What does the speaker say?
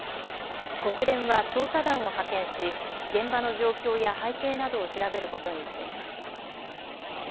国連は調査団を派遣し現場の状況や背景などを調べることにしています。